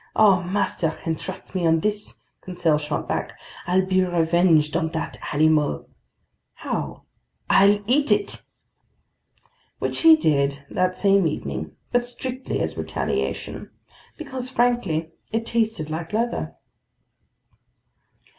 "Oh, master can trust me on this," Conseil shot back. "I'll be revenged on that animal!" "How?" "I'll eat it." Which he did that same evening, but strictly as retaliation. Because, frankly, it tasted like leather.